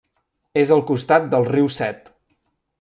És al costat del riu Set.